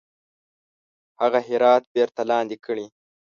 هغه هرات بیرته لاندي کړي.